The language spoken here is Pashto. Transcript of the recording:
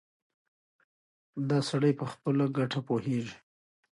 دا سړی په خپله ګټه پوهېږي.